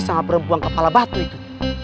sama perempuan kepala batu itu